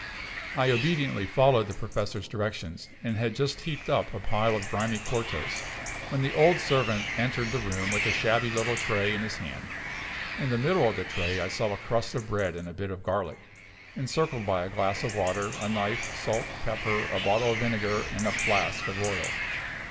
I obediently followed the Professor's directions, and had just heaped up a pile of grimy quartos, when the old servant entered the room with a shabby little tray in his hand. In the middle of the tray I saw a crust of bread and a bit of garlic, encircled by a glass of water, a knife, salt, pepper, a bottle of vinegar, and a flask of oil.